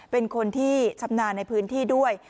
เป็นคนที่ชำนาญในพื้นที่ด้วย